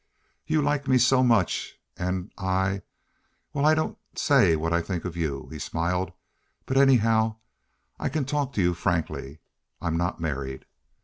You like me so much, and I—well, I don't say what I think of you," he smiled. "But anyhow, I can talk to you frankly. I'm not married."